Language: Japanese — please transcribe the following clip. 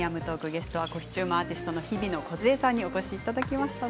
ゲストはコスチューム・アーティストのひびのこづえさんにお越しいただきました。